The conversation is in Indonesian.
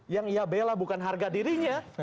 yang ia bela bukan harga dirinya